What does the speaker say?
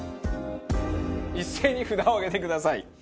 一斉に札を上げてください。